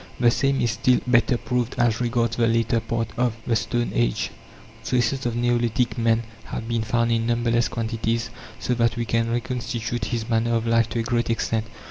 The same is still better proved as regards the later part of the stone age. Traces of neolithic man have been found in numberless quantities, so that we can reconstitute his manner of life to a great extent.